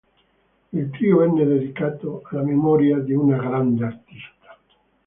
Il trio venne dedicato "alla memoria di una grande artista".